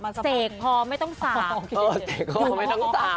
อะไรนะค่ะเสกพอไม่ต้องสาบเสกพอไม่ต้องสาบ